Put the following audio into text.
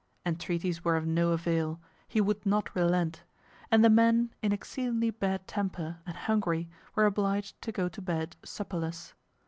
Entreaties were of no avail, he would not relent; and the men, in exceedingly bad temper, and hungry, were obliged to go to bed supperless.